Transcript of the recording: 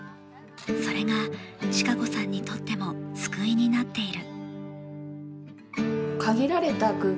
それが周子さんにとっても救いになっている。